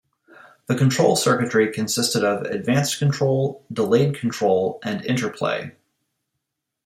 The control circuitry consisted of "advanced control", "delayed control", and "interplay".